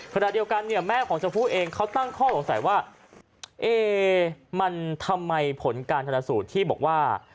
ขณะเดียวกันเนี่ยแม่ของชมพู่เองเขาตั้งข้อสงสัยว่าเอ๊มันทำไมผลการชนสูตรที่บอกว่า